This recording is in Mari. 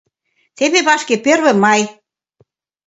Теве вашке Первый май.